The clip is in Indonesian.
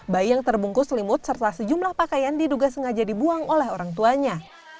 bayi yang terbungkus selimut serta sejumlah pakaian diduga sengaja dibuang oleh orang tuanya